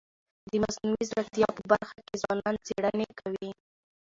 د مصنوعي ځیرکتیا په برخه کي ځوانان څيړني کوي.